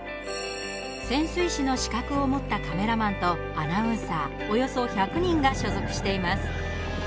潜水士の資格を持ったカメラマンとアナウンサーおよそ１００人が所属しています。